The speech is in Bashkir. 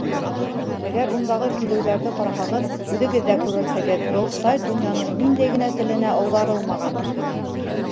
Әгәр ундағы көйләүҙәрҙе ҡараһағыҙ, үҙегеҙ ҙә күрерһегеҙ: был сайт донъяның ниндәй генә теленә ауҙарылмаған!